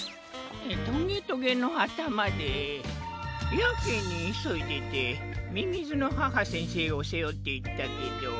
トゲトゲのあたまでやけにいそいでてみみずの母先生をせおっていったけど。